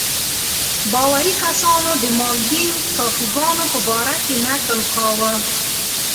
باوري کسانو د مالدیو ټاپوګانو په باره کې نکل کاوه.